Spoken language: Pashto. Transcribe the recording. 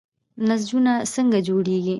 نسجونه څنګه جوړیږي؟